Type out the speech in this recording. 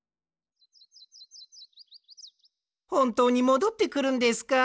ほんとうにもどってくるんですか？